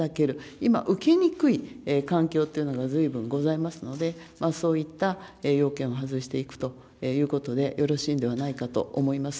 今、受けにくい環境というのがずいぶんございますので、そういった要件を外していくということで、よろしいんではないかと思います。